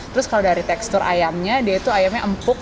terus kalau dari tekstur ayamnya dia itu ayamnya empuk